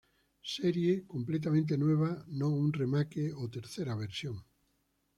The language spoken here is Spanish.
Serie completamente nueva, no un remake o tercera versión.